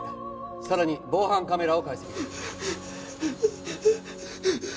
さらに防犯カメラを解析中。